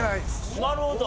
なるほど。